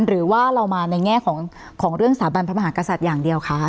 หรือว่าเรามาในแง่ของเรื่องสถาบันพระมหากษัตริย์อย่างเดียวคะ